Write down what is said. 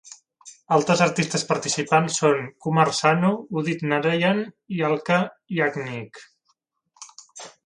Altres artistes participants són Kumar Sanu, Udit Narayan i Alka Yagnik.